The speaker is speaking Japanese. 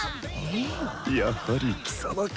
やはり貴様か。